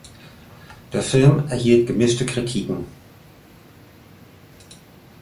Der Film erhielt gemischte Kritiken.